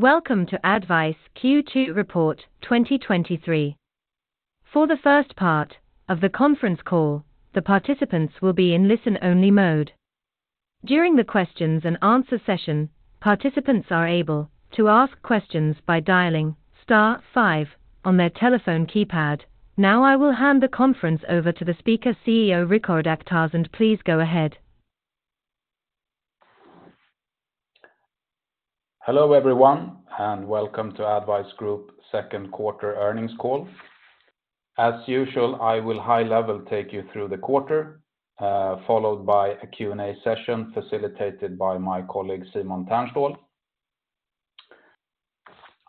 Welcome to ADDvise Q2 Report 2023. For the first part of the conference call, the participants will be in listen-only mode. During the questions and answer session, participants are able to ask questions by dialing star five on their telephone keypad. Now, I will hand the conference over to the speaker, CEO Rikard Akhtarzand. Please go ahead. Hello, everyone, welcome to ADDvise Group Second Quarter Earnings Call. As usual, I will high level take you through the quarter, followed by a Q&A session facilitated by my colleague, Simon Törnström.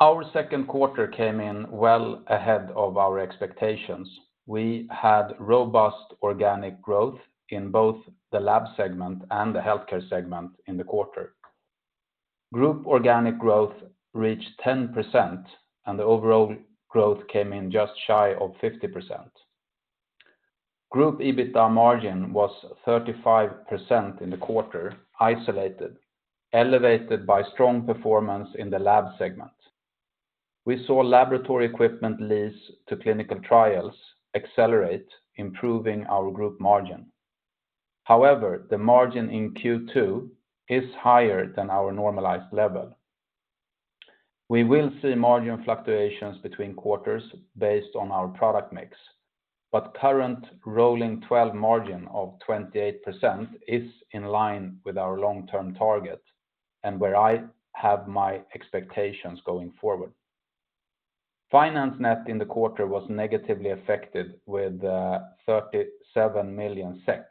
Our second quarter came in well ahead of our expectations. We had robust organic growth in both the lab segment and the healthcare segment in the quarter. Group organic growth reached 10%, and the overall growth came in just shy of 50%. Group EBITDA margin was 35% in the quarter, isolated, elevated by strong performance in the lab segment. We saw laboratory equipment leads to clinical trials accelerate, improving our group margin. However, the margin in Q2 is higher than our normalized level. We will see margin fluctuations between quarters based on our product mix. Current rolling 12 margin of 28% is in line with our long-term target and where I have my expectations going forward. Finance net in the quarter was negatively affected with 37 million SEK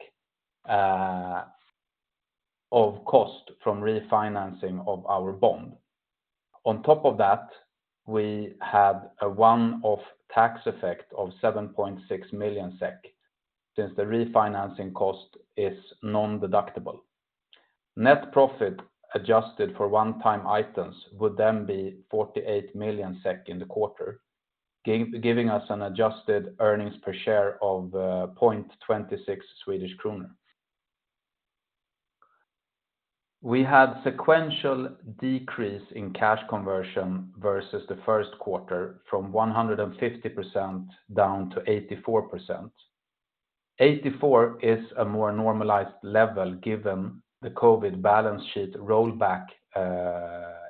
of cost from refinancing of our bond. We had a one-off tax effect of 7.6 million SEK, since the refinancing cost is non-deductible. Net profit adjusted for one-time items would be 48 million SEK in the quarter, giving us an adjusted earnings per share of 0.26 Swedish kronor. We had sequential decrease in cash conversion versus the first quarter from 150% down to 84%. 84 is a more normalized level, given the COVID balance sheet rollback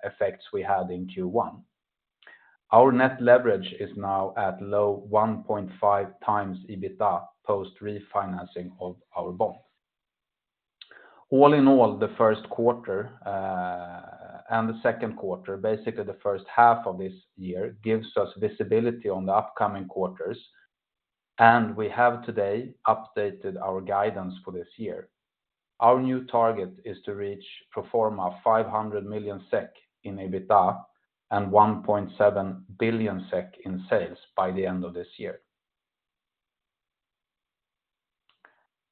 effects we had in Q1. Our net leverage is now at low 1.5x EBITDA, post-refinancing of our bond. All in all, the first quarter and the second quarter, basically, the first half of this year, gives us visibility on the upcoming quarters, and we have today updated our guidance for this year. Our new target is to reach pro forma 500 million SEK in EBITDA and 1.7 billion SEK in sales by the end of this year.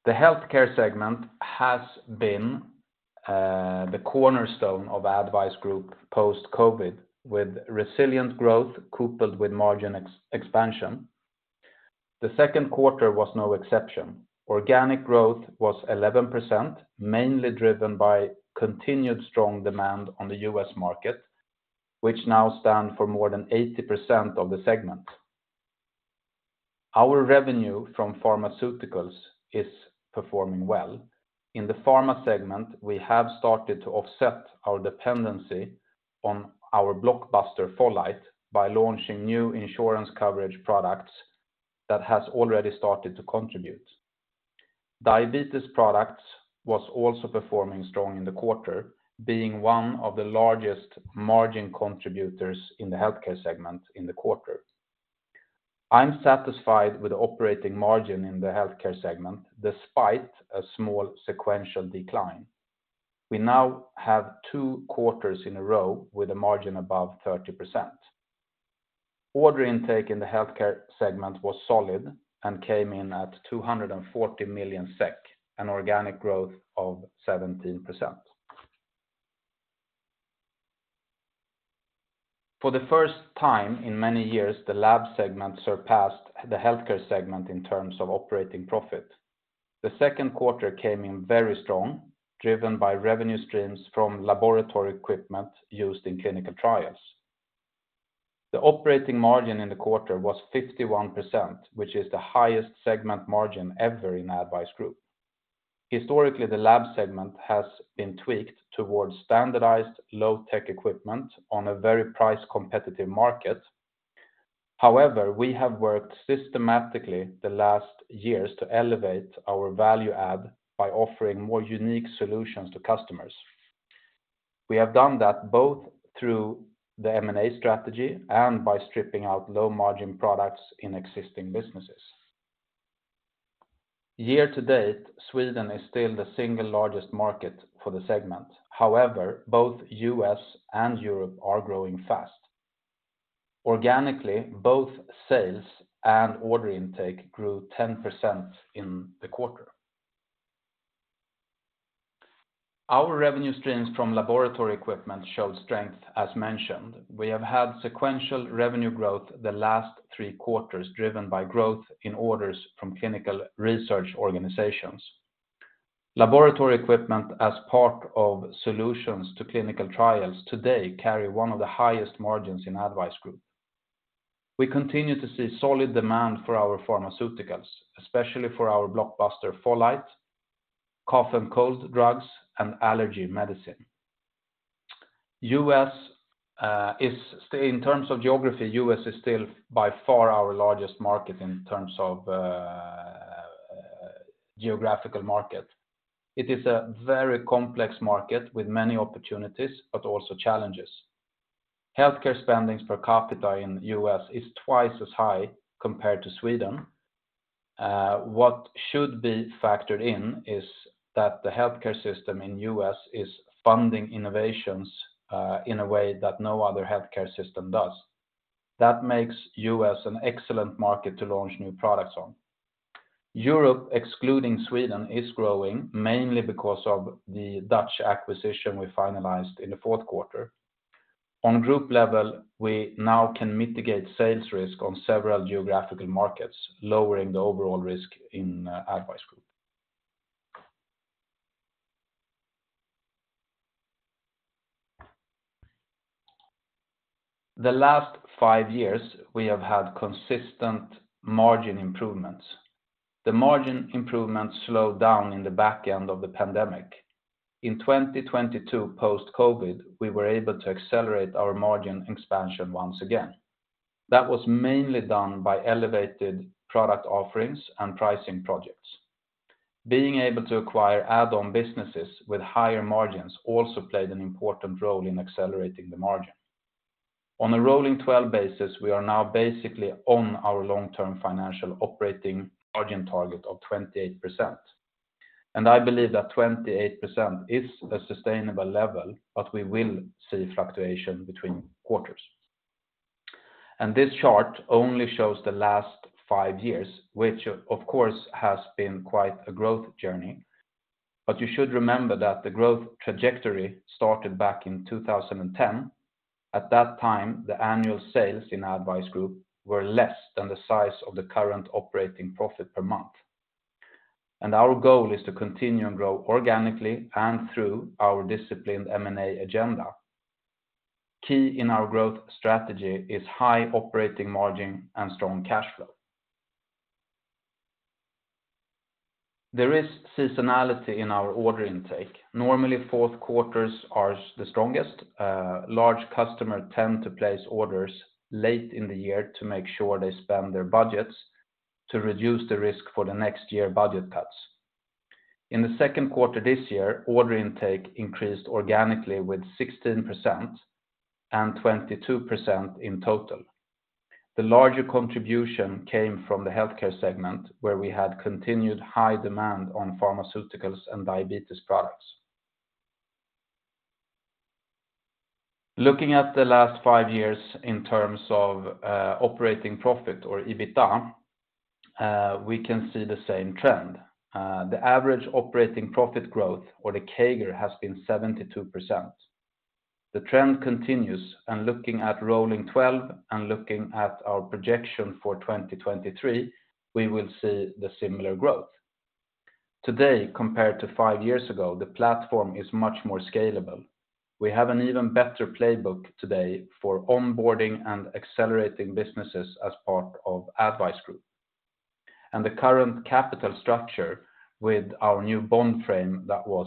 The healthcare segment has been the cornerstone of ADDvise Group post-COVID, with resilient growth coupled with margin ex-expansion. The second quarter was no exception. Organic growth was 11%, mainly driven by continued strong demand on the U.S. market, which now stand for more than 80% of the segment. Our revenue from pharmaceuticals is performing well. In the pharma segment, we have started to offset our dependency on our blockbuster, Folite, by launching new insurance coverage products that has already started to contribute. Diabetes products was also performing strong in the quarter, being one of the largest margin contributors in the healthcare segment in the quarter. I'm satisfied with the operating margin in the healthcare segment, despite a small sequential decline. We now have two quarters in a row with a margin above 30%. Order intake in the healthcare segment was solid and came in at 240 million SEK, an organic growth of 17%. For the first time in many years, the lab segment surpassed the healthcare segment in terms of operating profit. The second quarter came in very strong, driven by revenue streams from laboratory equipment used in clinical trials. The operating margin in the quarter was 51%, which is the highest segment margin ever in ADDvise Group. Historically, the lab segment has been tweaked towards standardized low-tech equipment on a very price competitive market. We have worked systematically the last years to elevate our value add by offering more unique solutions to customers. We have done that both through the M&A strategy and by stripping out low-margin products in existing businesses. Year to date, Sweden is still the single largest market for the segment. Both U.S. and Europe are growing fast. Organically, both sales and order intake grew 10% in the quarter. Our revenue streams from laboratory equipment show strength, as mentioned. We have had sequential revenue growth the last three quarters, driven by growth in orders from clinical research organizations. Laboratory equipment as part of solutions to clinical trials today carry one of the highest margins in ADDvise Group. We continue to see solid demand for our pharmaceuticals, especially for our blockbuster Folite, cough and cold drugs, and allergy medicine. U.S. is still, in terms of geography, U.S. is still by far our largest market in terms of geographical market. It is a very complex market with many opportunities, but also challenges. Healthcare spendings per capita in U.S. is twice as high compared to Sweden. What should be factored in is that the healthcare system in U.S. is funding innovations in a way that no other healthcare system does. That makes U.S. an excellent market to launch new products on. Europe, excluding Sweden, is growing mainly because of the Dutch acquisition we finalized in the fourth quarter. On group level, we now can mitigate sales risk on several geographical markets, lowering the overall risk in ADDvise Group. The last five years, we have had consistent margin improvements. The margin improvements slowed down in the back end of the pandemic. In 2022, post-COVID, we were able to accelerate our margin expansion once again. That was mainly done by elevated product offerings and pricing projects. Being able to acquire add-on businesses with higher margins also played an important role in accelerating the margin. On a rolling 12 basis, we are now basically on our long-term financial operating margin target of 28%, and I believe that 28% is a sustainable level, but we will see fluctuation between quarters. This chart only shows the last 5 years, which of course, has been quite a growth journey. You should remember that the growth trajectory started back in 2010. At that time, the annual sales in ADDvise Group were less than the size of the current operating profit per month. Our goal is to continue and grow organically and through our disciplined M&A agenda. Key in our growth strategy is high operating margin and strong cash flow. There is seasonality in our order intake. Normally, fourth quarters are the strongest. Large customer tend to place orders late in the year to make sure they spend their budgets to reduce the risk for the next year budget cuts. In the second quarter this year, order intake increased organically with 16% and 22% in total. The larger contribution came from the healthcare segment, where we had continued high demand on pharmaceuticals and diabetes products. Looking at the last five years in terms of operating profit or EBITDA, we can see the same trend. The average operating profit growth, or the CAGR, has been 72%. The trend continues, and looking at rolling 12 and looking at our projection for 2023, we will see the similar growth. Today, compared to five years ago, the platform is much more scalable. We have an even better playbook today for onboarding and accelerating businesses as part of ADDvise Group. The current capital structure with our new bond frame that was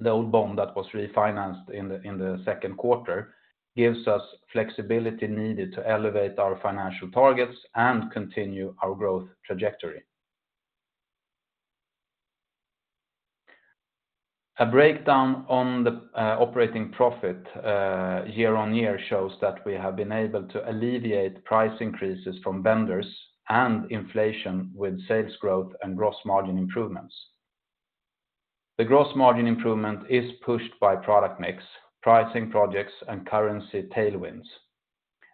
the old bond that was refinanced in the second quarter, gives us flexibility needed to elevate our financial targets and continue our growth trajectory. A breakdown on the operating profit year-on-year shows that we have been able to alleviate price increases from vendors and inflation with sales growth and gross margin improvements. The gross margin improvement is pushed by product mix, pricing projects, and currency tailwinds.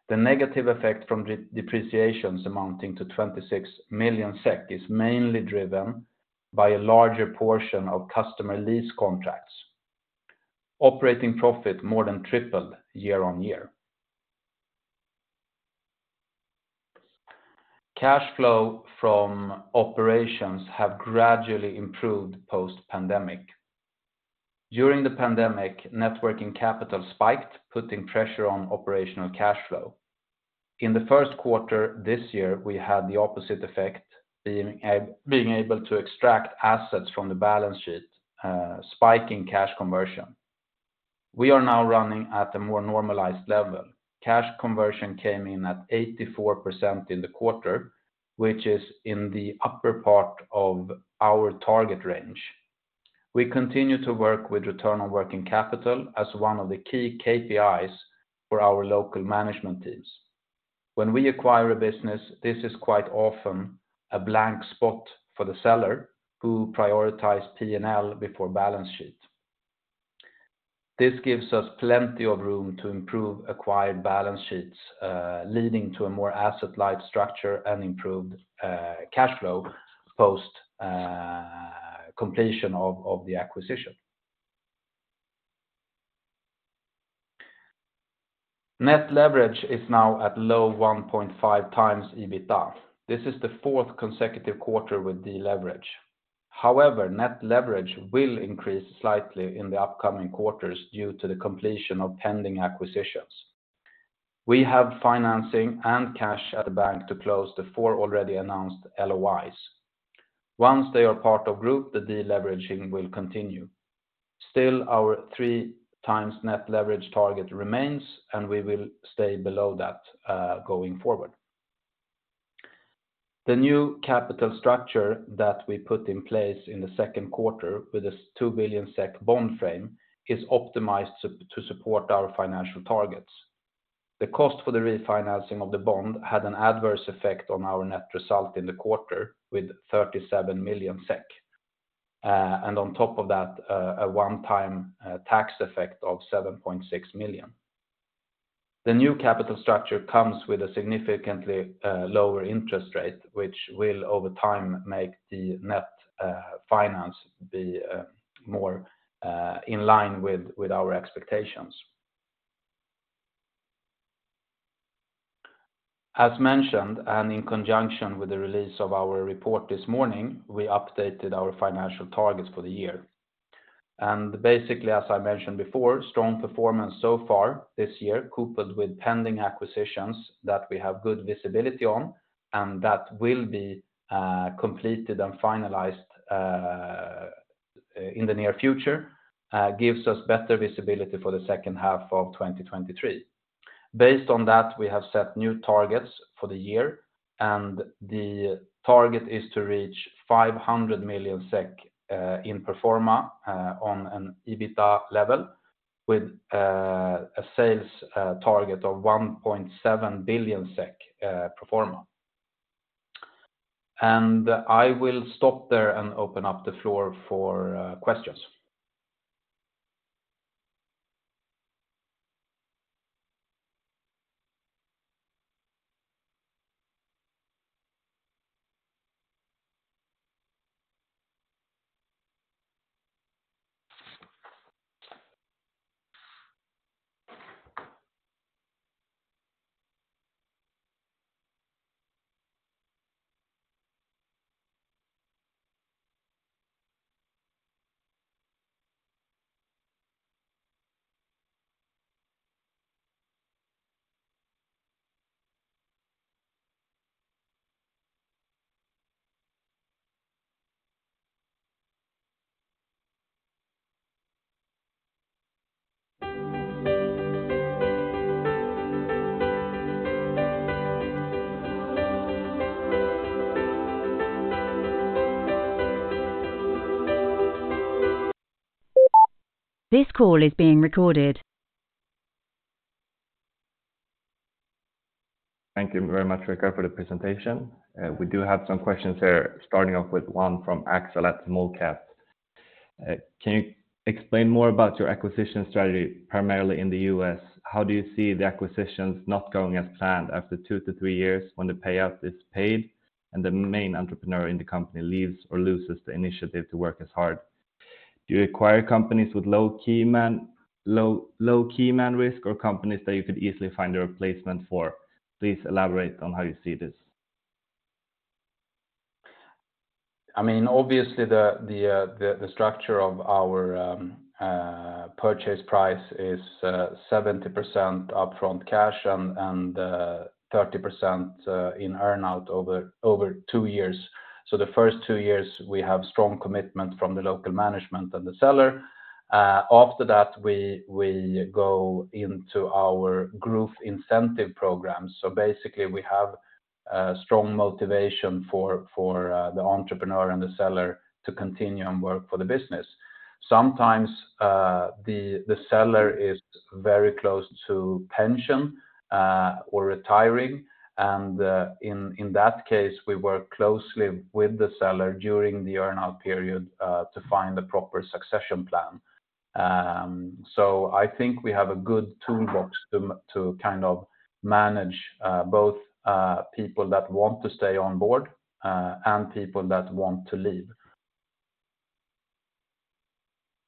The negative effect from depreciations amounting to 26 million SEK is mainly driven by a larger portion of customer lease contracts. Operating profit more than tripled year-on-year. Cash flow from operations have gradually improved post-pandemic. During the pandemic, networking capital spiked, putting pressure on operational cash flow. In the first quarter this year, we had the opposite effect, being able to extract assets from the balance sheet, spiking cash conversion. We are now running at a more normalized level. Cash conversion came in at 84% in the quarter, which is in the upper part of our target range. We continue to work with return on working capital as one of the key KPIs for our local management teams. When we acquire a business, this is quite often a blank spot for the seller, who prioritize P&L before balance sheet. This gives us plenty of room to improve acquired balance sheets, leading to a more asset light structure and improved cash flow post completion of the acquisition. Net leverage is now at low 1.5 times EBITA. This is the fourth consecutive quarter with deleverage. Net leverage will increase slightly in the upcoming quarters due to the completion of pending acquisitions. We have financing and cash at the bank to close the four already announced LOIs. Once they are part of Group, the deleveraging will continue. Our 3x net leverage target remains, and we will stay below that going forward. The new capital structure that we put in place in the second quarter with this 2 billion SEK bond frame, is optimized to support our financial targets. The cost for the refinancing of the bond had an adverse effect on our net result in the quarter, with 37 million SEK, and on top of that, a one-time tax effect of 7.6 million. The new capital structure comes with a significantly lower interest rate, which will, over time, make the net finance be more in line with our expectations. In conjunction with the release of our report this morning, we updated our financial targets for the year. Basically, as I mentioned before, strong performance so far this year, coupled with pending acquisitions that we have good visibility on, and that will be completed and finalized in the near future, gives us better visibility for the second half of 2023. Based on that, we have set new targets for the year. The target is to reach 500 million SEK in pro forma on an EBITA level, with a sales target of 1.7 billion SEK pro forma. I will stop there and open up the floor for questions. This call is being recorded. Thank you very much, Rikard, for the presentation. We do have some questions here, starting off with one from Axel at Molcap. Can you explain more about your acquisition strategy, primarily in the U.S.? How do you see the acquisitions not going as planned after two-three years when the payout is paid and the main entrepreneur in the company leaves or loses the initiative to work as hard? Do you acquire companies with low key man risk, or companies that you could easily find a replacement for? Please elaborate on how you see this. I mean, obviously, the structure of our purchase price is 70% upfront cash and 30% in earn-out over two years. The first two years we have strong commitment from the local management and the seller. After that, we go into our group incentive program. Basically, we have strong motivation for the entrepreneur and the seller to continue and work for the business. Sometimes, the seller is very close to pension or retiring, and in that case, we work closely with the seller during the earn-out period to find the proper succession plan. I think we have a good toolbox to kind of manage both people that want to stay on board and people that want to leave.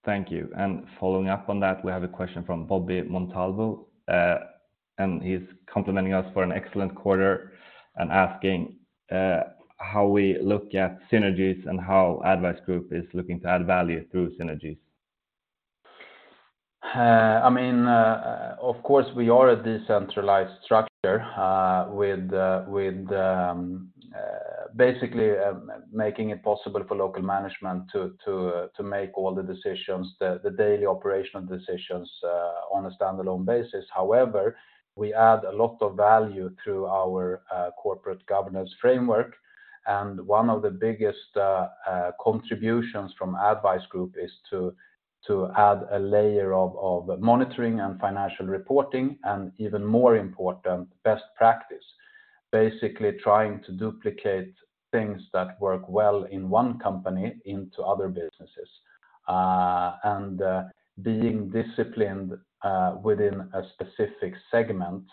Thank you. Following up on that, we have a question from Bobby Montalvo, and he's complimenting us for an excellent quarter and asking how we look at synergies and how ADDvise Group is looking to add value through synergies. I mean, of course, we are a decentralized structure, with basically making it possible for local management to make all the decisions, the daily operational decisions, on a standalone basis. However, we add a lot of value through our corporate governance framework, and one of the biggest contributions from ADDvise Group is to add a layer of monitoring and financial reporting, and even more important, best practice. Basically, trying to duplicate things that work well in one company into other businesses. Being disciplined within a specific segment,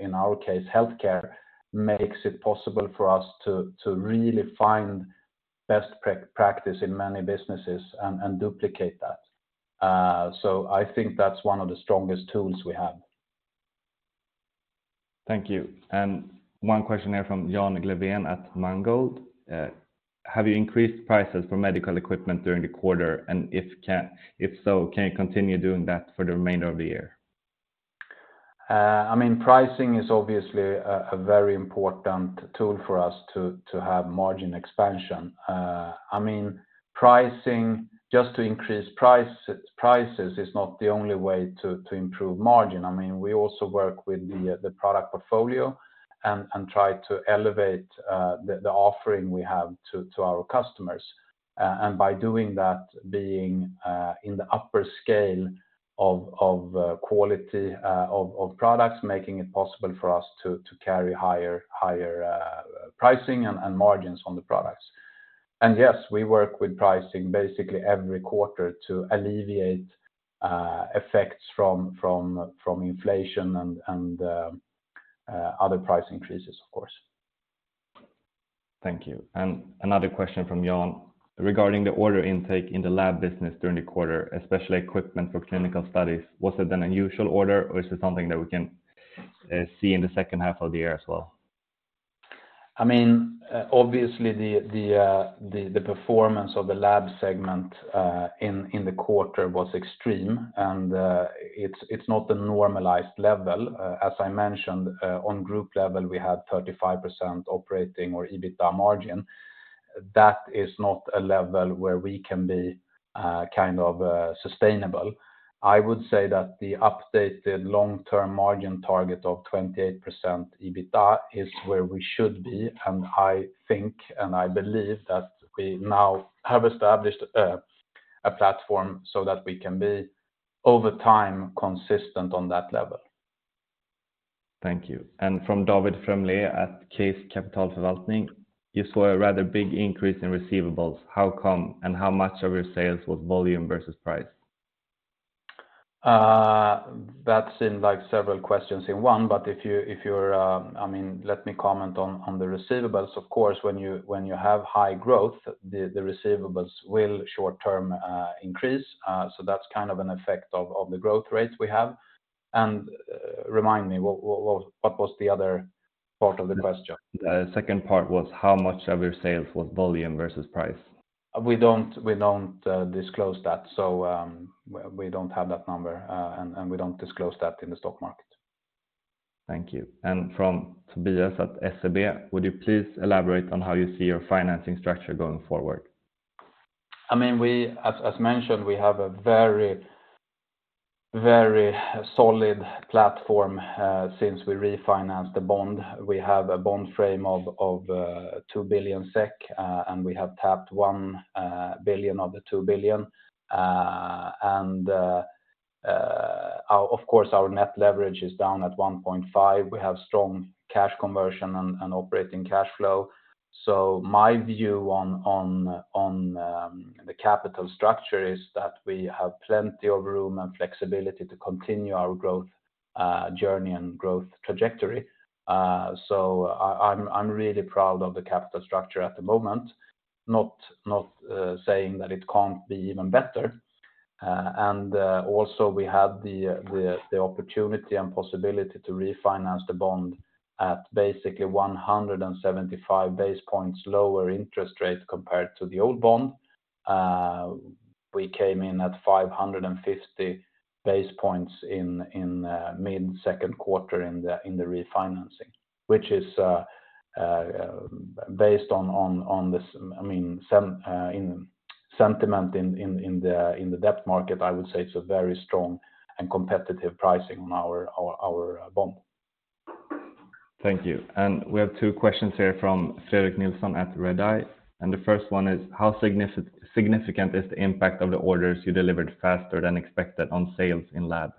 in our case, healthcare, makes it possible for us to really find best practice in many businesses and duplicate that. I think that's one of the strongest tools we have. Thank you. One question here from John Glaved at Mangold: Have you increased prices for medical equipment during the quarter? If so, can you continue doing that for the remainder of the year? I mean, pricing is obviously a very important tool for us to have margin expansion. I mean, pricing, just to increase prices is not the only way to improve margin. I mean, we also work with the product portfolio and try to elevate the offering we have to our customers. By doing that, being in the upper scale of quality of products, making it possible for us to carry higher pricing and margins on the products. Yes, we work with pricing basically every quarter to alleviate effects from inflation and other price increases, of course. Thank you. Another question from John: Regarding the order intake in the lab business during the quarter, especially equipment for clinical studies, was it an unusual order, or is it something that we can see in the second half of the year as well? I mean, obviously, the performance of the lab segment in the quarter was extreme, and it's not a normalized level. As I mentioned, on group level, we had 35% operating or EBITDA margin. That is not a level where we can be, kind of, sustainable. I would say that the updated long-term margin target of 28% EBITDA is where we should be, and I think, I believe that we now have established a platform so that we can be, over time, consistent on that level. Thank you. From David Fremle at Case Kapitalförvaltning: You saw a rather big increase in receivables. How come, and how much of your sales was volume versus price? That seemed like several questions in one, but if you're, I mean, let me comment on the receivables. Of course, when you have high growth, the receivables will short term, increase. That's kind of an effect of the growth rates we have. Remind me, what was the other part of the question? The second part was, how much of your sales was volume versus price? We don't disclose that, so we don't have that number. We don't disclose that in the stock market. Thank you. From Tobias at SEB: Would you please elaborate on how you see your financing structure going forward? I mean, we, as mentioned, we have a very, very solid platform, since we refinanced the bond. We have a bond frame of 2 billion SEK, and we have tapped 1 billion of the 2 billion. Of course, our net leverage is down at 1.5. We have strong cash conversion and operating cash flow. My view on the capital structure is that we have plenty of room and flexibility to continue our growth, journey and growth trajectory. I'm really proud of the capital structure at the moment. Not saying that it can't be even better. Also, we have the opportunity and possibility to refinance the bond at basically 175 basis points lower interest rate compared to the old bond. We came in at 550 basis points in mid-second quarter in the refinancing, which is based on this, I mean, sentiment in the debt market, I would say it's a very strong and competitive pricing on our bond. Thank you. We have two questions here from Fredrik Nilsson at Redeye, the first one is: How significant is the impact of the orders you delivered faster than expected on sales in lab?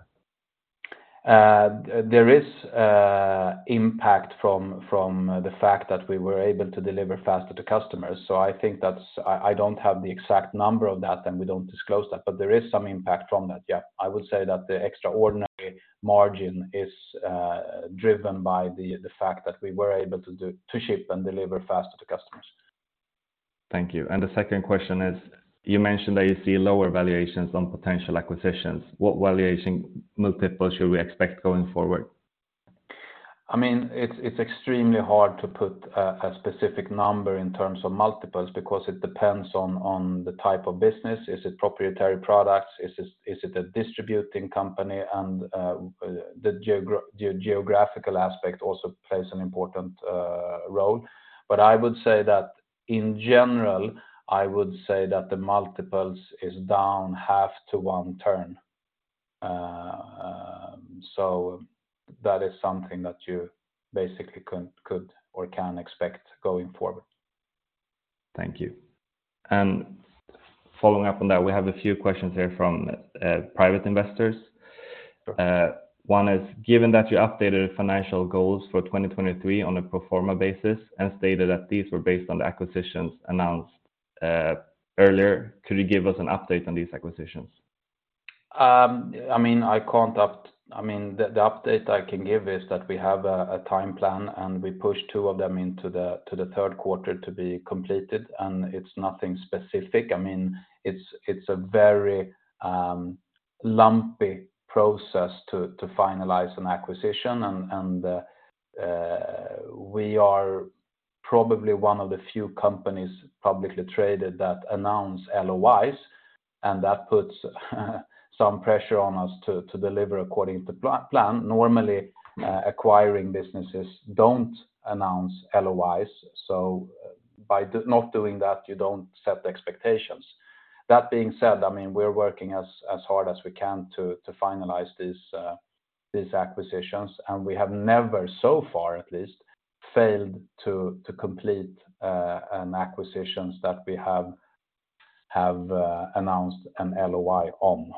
There is impact from the fact that we were able to deliver faster to customers. I think that's, I don't have the exact number of that, and we don't disclose that, but there is some impact from that. I would say that the extraordinary margin is driven by the fact that we were able to ship and deliver faster to customers. Thank you. The second question is, you mentioned that you see lower valuations on potential acquisitions. What valuation multiples should we expect going forward? I mean, it's extremely hard to put a specific number in terms of multiples because it depends on the type of business. Is it proprietary products? Is it a distributing company? The geographical aspect also plays an important role. I would say that in general, I would say that the multiples is down half to 1 turn. That is something that you basically could or can expect going forward. Thank you. Following up on that, we have a few questions here from private investors. One is: Given that you updated financial goals for 2023 on a pro forma basis and stated that these were based on the acquisitions announced earlier, could you give us an update on these acquisitions? I mean, I can't I mean, the update I can give is that we have a time plan, and we pushed two of them into the third quarter to be completed, and it's nothing specific. I mean, it's a very lumpy process to finalize an acquisition. We are probably one of the few companies publicly traded that announce LOIs, and that puts some pressure on us to deliver according to plan. Normally, acquiring businesses don't announce LOIs, so by not doing that, you don't set the expectations. That being said, I mean, we're working as hard as we can to finalize these acquisitions, and we have never, so far at least, failed to complete an acquisitions that we have announced an LOI on.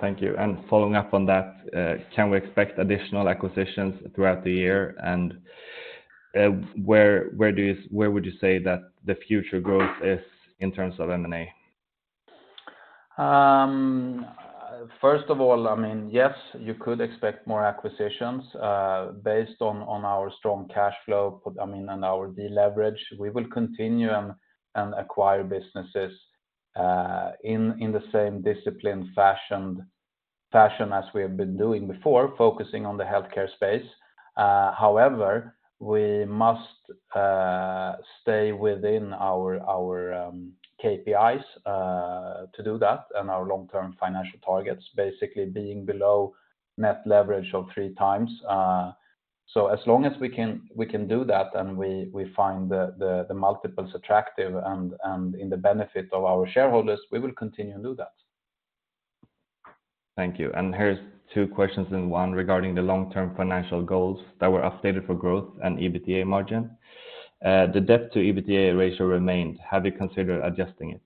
Thank you. Following up on that, can we expect additional acquisitions throughout the year? Where would you say that the future growth is in terms of M&A? First of all, I mean, yes, you could expect more acquisitions, based on our strong cash flow, but I mean, and our deleverage. We will continue and acquire businesses, in the same discipline, fashion as we have been doing before, focusing on the healthcare space. We must stay within our KPIs, to do that, and our long-term financial targets, basically being below net leverage of 3x. As long as we can do that, and we find the multiples attractive and in the benefit of our shareholders, we will continue to do that. Thank you. Here's two questions in one regarding the long-term financial goals that were updated for growth and EBITDA margin. The debt to EBITDA ratio remained. Have you considered adjusting it?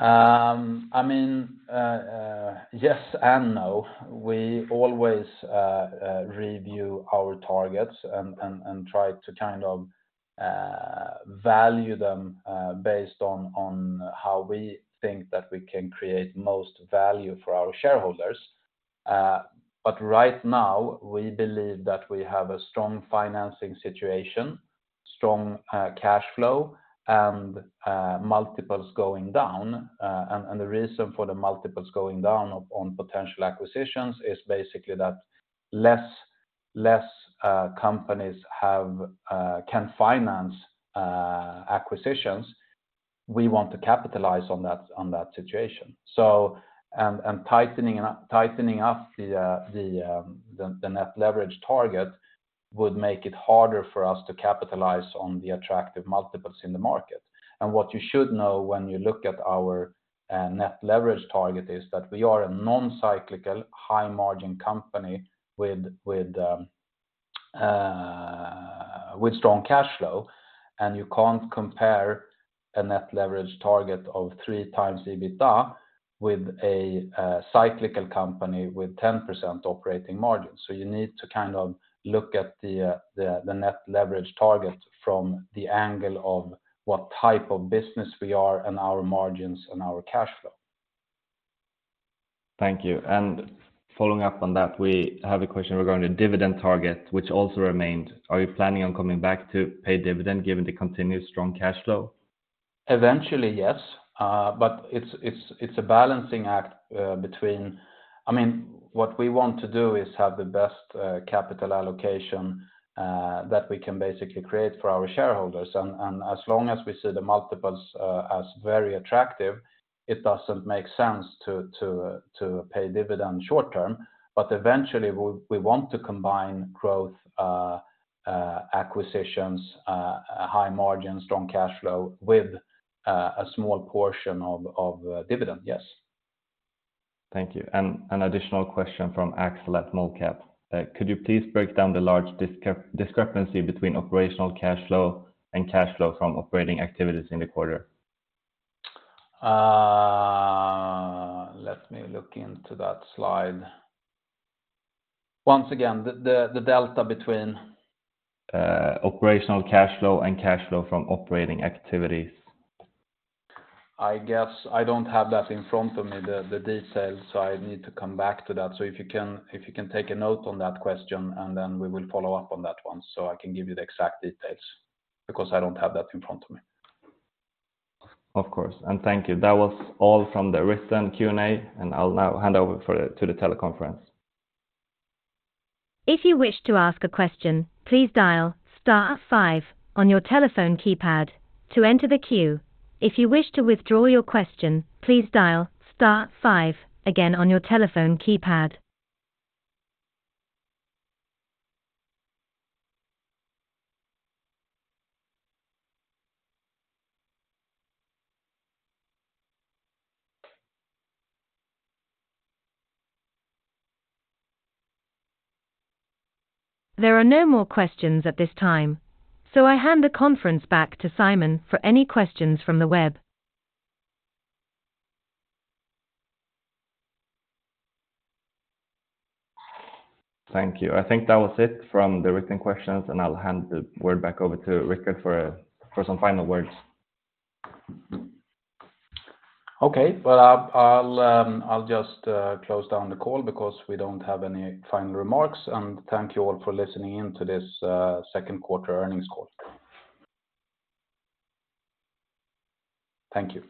I mean, yes and no. We always review our targets and try to kind of value them based on how we think that we can create most value for our shareholders. Right now, we believe that we have a strong financing situation, strong cash flow, and multiples going down. And the reason for the multiples going down on potential acquisitions is basically that less companies can finance acquisitions. We want to capitalize on that situation. And tightening up the net leverage target would make it harder for us to capitalize on the attractive multiples in the market. What you should know when you look at our net leverage target is that we are a non-cyclical, high-margin company with strong cash flow. You can't compare a net leverage target of 3x EBITDA with a cyclical company with 10% operating margin. You need to kind of look at the net leverage target from the angle of what type of business we are and our margins and our cash flow. Thank you. Following up on that, we have a question regarding the dividend target, which also remained. Are you planning on coming back to pay dividend, given the continued strong cash flow? Eventually, yes. It's a balancing act. I mean, what we want to do is have the best capital allocation that we can basically create for our shareholders. As long as we see the multiples as very attractive, it doesn't make sense to pay dividend short term. Eventually, we want to combine growth, acquisitions, high margin, strong cash flow with a small portion of dividend, yes. Thank you. An additional question from Axel at Molcap. Could you please break down the large discrepancy between operational cash flow and cash flow from operating activities in the quarter? Let me look into that slide. Once again, the delta between? Operational cash flow and cash flow from operating activities. I guess I don't have that in front of me, the details, so I need to come back to that. If you can take a note on that question, and then we will follow up on that one, so I can give you the exact details, because I don't have that in front of me. Of course, and thank you. That was all from the written Q&A, and I'll now hand over to the teleconference. If you wish to ask a question, please dial star five on your telephone keypad to enter the queue. If you wish to withdraw your question, please dial star five again on your telephone keypad. There are no more questions at this time. I hand the conference back to Simon for any questions from the web. Thank you. I think that was it from the written questions. I'll hand the word back over to Rikard for some final words. Okay. Well, I'll just close down the call because we don't have any final remarks, and thank you all for listening in to this second quarter earnings call. Thank you.